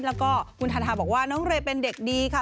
แล้วก็คุณทาทาบอกว่าน้องเรย์เป็นเด็กดีค่ะ